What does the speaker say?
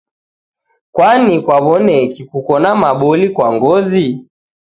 Kwani kwawo'neki kuko na maboli kwa ngozi